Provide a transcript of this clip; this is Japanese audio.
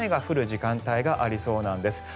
雨が降る時間帯がありそうです。